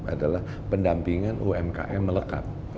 adalah pendampingan umkm melekat